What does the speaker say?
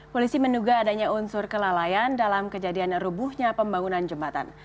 polisi menduga adanya unsur kelalaian dalam kejadian rubuhnya pembangunan jembatan